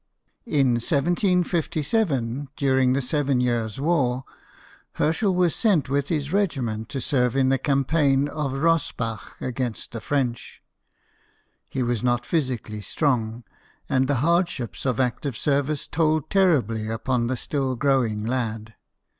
In 1757, during the Seven Years' War, Her schel was sent with his regiment to serve in the campaign of Rossbach against the French. He was not physically strong, and the hardships of active service told terribly upon the still growing lad.